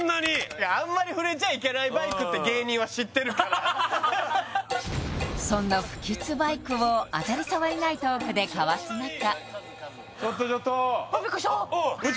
いやあんまり触れちゃいけないバイクって芸人は知ってるからそんな不吉バイクを当たり障りないトークでかわす中あっビックリした！